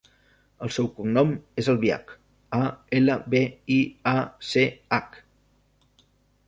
El seu cognom és Albiach: a, ela, be, i, a, ce, hac.